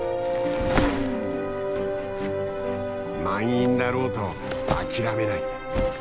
満員だろうと諦めない。